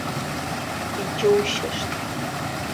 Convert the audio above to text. Иџьоушьашт.